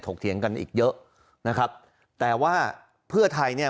เถียงกันอีกเยอะนะครับแต่ว่าเพื่อไทยเนี่ย